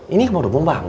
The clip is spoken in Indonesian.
ini mau dukung bang